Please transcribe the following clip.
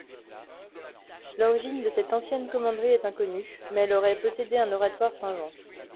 L'origine de cette ancienne commanderie est inconnue, mais elle aurait possédé un oratoire Saint-Jean.